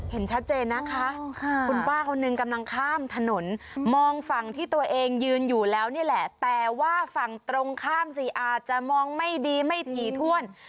เห็นชัดเจนนะคะคุณป้าคนหนึ่งกำลังข้ามถนนมองฝั่งที่ตัวเองยืนอยู่แล้วนี่แหละแต่ว่าฝั่งตรงข้ามสิอาจจะมองไม่ดีไม่ถี่ถ้วน